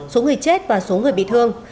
số người chết và số người bị thương